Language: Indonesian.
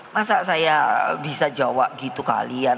masa saya bisa jawab gitu kalian